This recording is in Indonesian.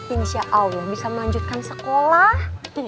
inisialnya bisa melanjutkan sekolah